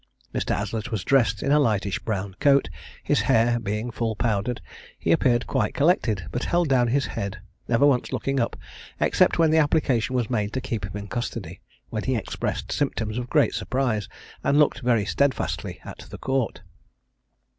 Mr. Aslett was dressed in a lightish brown coat, his hair being full powdered. He appeared quite collected, but held down his head, never once looking up, except when the application was made to keep him in custody, when he expressed symptoms of great surprise, and looked very steadfastly at the Court.